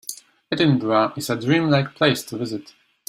Edinburgh is a dream-like place to visit.